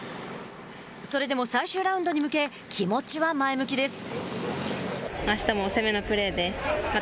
それでも最終ラウンドに向け気持ちは前向きです。